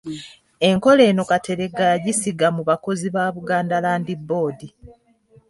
Enkola eno Kateregga yagisiga mu bakozi ba Buganda Land Board.